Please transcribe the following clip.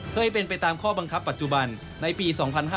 ให้เป็นไปตามข้อบังคับปัจจุบันในปี๒๕๕๙